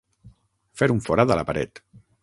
Fer un forat a la paret.